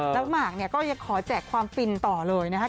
แล้วหมากเนี่ยก็ยังขอแจกความฟินต่อเลยนะคะ